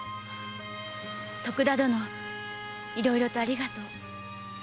徳田殿いろいろとありがとう。